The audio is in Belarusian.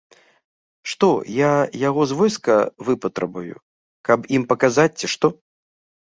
Што, я яго з войска выпатрабую, каб ім паказаць, ці што?